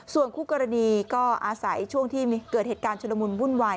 ส่วนคู่กรณีก็อาศัยช่วงที่เกิดเหตุการณ์ชุลมุนวุ่นวาย